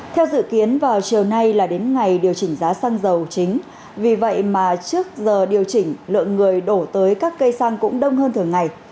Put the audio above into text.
theo dự kiến vào chiều nay là đến ngày điều chỉnh giá xăng dầu chính vì vậy mà trước giờ điều chỉnh lượng người đổ tới các cây xăng cũng đông hơn thường ngày